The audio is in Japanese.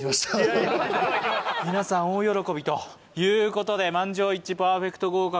皆さん大喜びということで満場一致パーフェクト合格